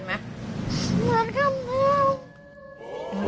เหมือนครับแม่